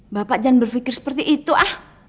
bapak jangan berpikir seperti itu ah